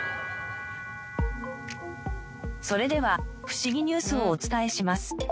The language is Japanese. それではフシギニュースをお伝えします。